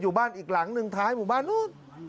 บ้านอีกหลังหนึ่งท้ายหมู่บ้านนู้น